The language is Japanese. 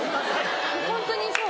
ホントにそう。